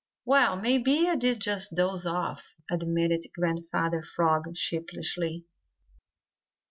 "Well, maybe I did just doze off," admitted Grandfather Frog sheepishly.